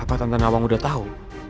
apa tante nawang udah tahu